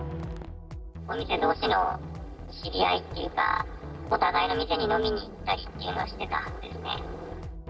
お店どうしの知り合いっていうか、お互いの店に飲みに行ったりっていうのはしてたんですね。